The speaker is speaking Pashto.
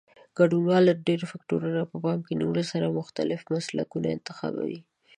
ګډونوال د ډېرو فکټورونو په پام کې نیولو سره مختلف مسلکونه انتخابوي.